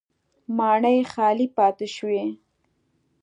ماڼۍ خالي پاتې شوې.